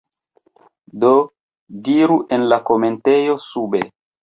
Do, diru en la komentejo sube